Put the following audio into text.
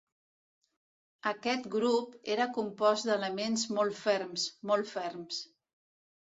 Aquest grup era compost d'elements molt ferms, molt ferms.